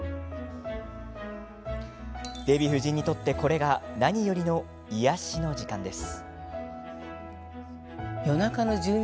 デヴィ夫人にとって、これが何よりの癒やしの時間です。